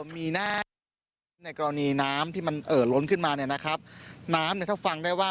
มีหน้าในกรณีน้ำที่มันล้นขึ้นมานะครับน้ำถ้าฟังได้ว่า